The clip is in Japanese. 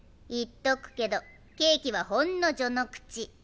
言っとくけどケーキはほんの序の口。